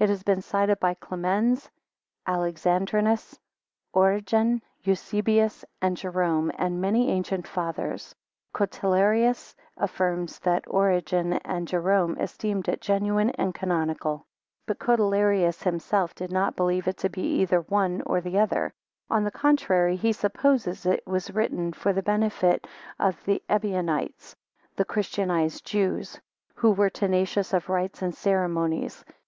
It has been cited by Clemens, Alexandrinus, Origen, Eusebius, and Jerome, and many ancient Fathers. Cotelerius affirms that Origen and Jerome esteemed it genuine and canonical; but Cotelerius himself did not believe it to be either one or the other; on the contrary, he supposes it was written for the benefit of the Ebionites, (the christianized Jews,) who were tenacious of rites and ceremonies.